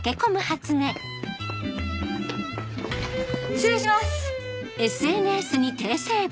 失礼します！